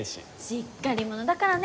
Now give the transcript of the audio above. しっかり者だからね